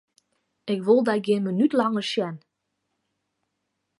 Ik wol dyn gjin minút langer sjen!